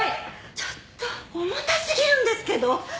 ちょっと重たすぎるんですけど！